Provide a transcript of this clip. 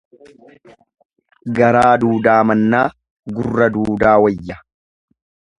Garaa duudaa mannaa gurra duudaa wayya.